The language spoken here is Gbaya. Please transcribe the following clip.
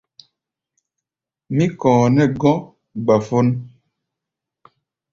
Mí kɔ̧ɔ̧ nɛ́ gɔ̧́ gbafón.